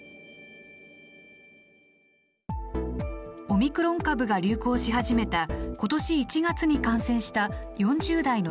オミクロン株が流行し始めた今年１月に感染した４０代の男性。